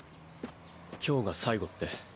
今日が最後って。